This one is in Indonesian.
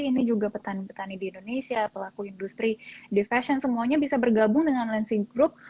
ini juga petani petani di indonesia pelaku industri di fashion semuanya bisa bergabung dengan lansing group